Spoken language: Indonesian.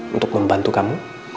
untuk membantu kamu